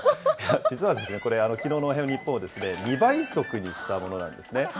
実はですね、これ、きのうのおはよう日本を２倍速にしたものなんですね。